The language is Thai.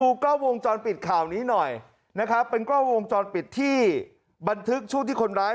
กล้องวงจรปิดข่าวนี้หน่อยนะครับเป็นกล้องวงจรปิดที่บันทึกช่วงที่คนร้าย